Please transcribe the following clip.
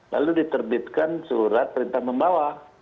lalu diterbitkan surat perintah membawa